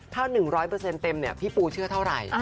ถ้าหนึ่งร้อยเปอร์เซ็นต์เต็มเนี่ยพี่ปูเชื่อเท่าไหร่